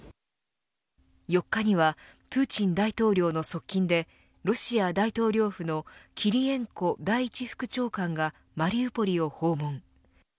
４日にはプーチン大統領の側近でロシア大統領府のキリエンコ第１副長官がマリウポリを訪問。